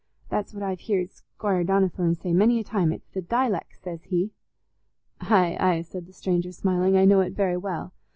That's what I've heared Squire Donnithorne say many a time; it's the dileck, says he." "Aye, aye," said the stranger, smiling. "I know it very well.